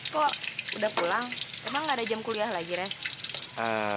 kok udah pulang emang gak ada jam kuliah lagi deh